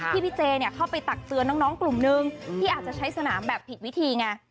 พี่เจเข้าไปตักเตือนน้องกลุ่มนึงที่อาจจะใช้สนามแบบผิดวิธีไง